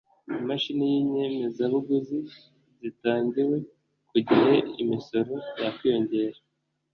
imashini y’ inyemezabuguzi zitangiwe ku gihe imisoro yakwiyongera